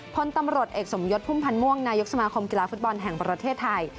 พลตำรวจเอกสมยศพุ่มพันธ์ม่วงนายกสมาคมกีฬาฟุตบอลแห่งประเทศไทย